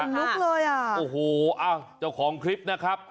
ลุกเลยอ่ะโอ้โหอ้าวเจ้าของคลิปนะครับ